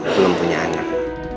belum punya anak